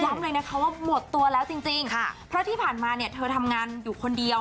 เลยนะคะว่าหมดตัวแล้วจริงจริงค่ะเพราะที่ผ่านมาเนี่ยเธอทำงานอยู่คนเดียว